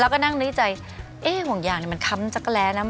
ก็นั่งในใจเอ๊ะห่วงยางนี่มันค้ำจั๊กแกะแร้นะ